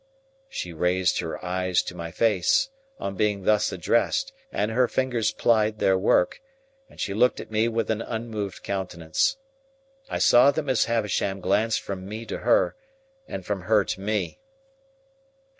She raised her eyes to my face, on being thus addressed, and her fingers plied their work, and she looked at me with an unmoved countenance. I saw that Miss Havisham glanced from me to her, and from her to me.